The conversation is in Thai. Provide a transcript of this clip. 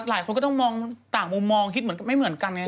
หลายคนก็ต้องมองต่างมุมมองคิดเหมือนไม่เหมือนกันไง